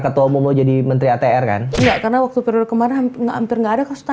ketua umum jadi menteri atr kan enggak karena waktu periode kemarin hampir nggak ada kasus